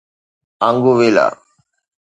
آنگويلا